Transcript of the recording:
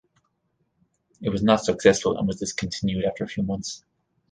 It was not successful and was discontinued after a few months.